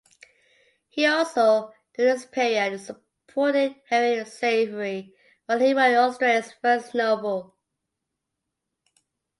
He also, during this period, supported Henry Savery while he wrote Australia's first novel.